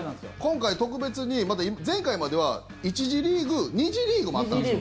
今回、特別に前回までは１次リーグ、２次リーグもあったんですよ。